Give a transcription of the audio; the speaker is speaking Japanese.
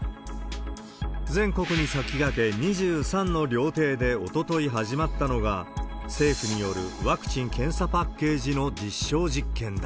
全国に先駆け、２３の料亭でおととい始まったのが、政府によるワクチン・検査パッケージの実証実験だ。